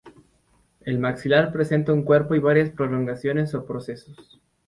El maxilar presenta un cuerpo y varias prolongaciones o procesos.